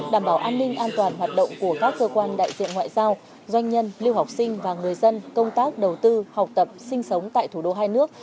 đảm bảo an ninh an toàn hoạt động của các cơ quan đại diện ngoại giao doanh nhân lưu học sinh và người dân công tác đầu tư học tập sinh sống tại thủ đô hai nước